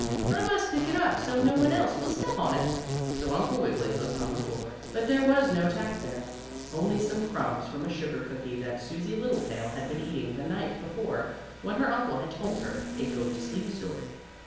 "I must pick it up so no one else will step on it." So Uncle Wiggily looked on the floor, but there was no tack there, only some crumbs from a sugar cookie that Susie Littletail had been eating the night before, when her uncle had told her a go to sleep story.